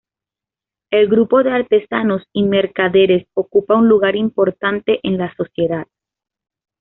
El grupo de artesanos y mercaderes ocupa un lugar importante en la sociedad.